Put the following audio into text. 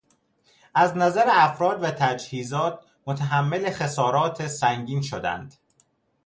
از نظر افراد و تجهیزات متحمل خسارات سنگین شدند.